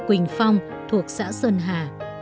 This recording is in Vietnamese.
quỳnh phong thuộc xã sơn hà